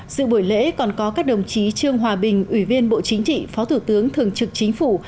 dự buổi lễ còn có các đồng chí trương hòa bình ủy viên bộ chính trị phó thủ tướng thường trực chính phủ